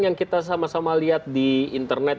yang kita sama sama lihat di internet